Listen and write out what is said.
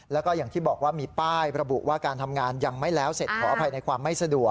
แล้วก็อย่างที่บอกว่ามีป้ายระบุว่าการทำงานยังไม่แล้วเสร็จขออภัยในความไม่สะดวก